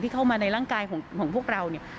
ที่เข้ามาในร่างกายของพวกเรา